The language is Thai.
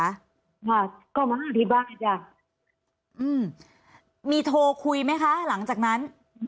ค่ะก็มาหาที่บ้านนะจ้ะอืมมีโทรคุยไหมคะหลังจากนั้น